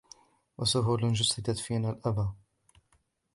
و سهول جسدت فينا الإبا